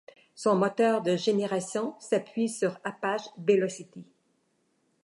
Son moteur de génération s'appuie sur Apache Velocity.